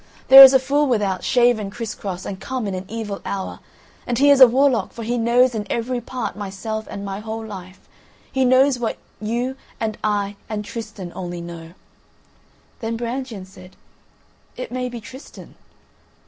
There is a fool without, shaven criss cross, and come in an evil hour, and he is warlock, for he knows in every part myself and my whole life; he knows what you and I and Tristan only know." Then Brangien said: "It may be Tristan."